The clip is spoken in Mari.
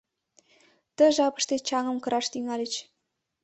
Ты жапыште чаҥым кыраш тӱҥальыч.